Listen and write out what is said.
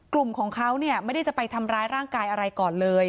กลุ่มของเขาเนี่ยไม่ได้จะไปทำร้ายร่างกายอะไรก่อนเลย